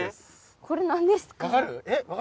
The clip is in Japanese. これ何ですか？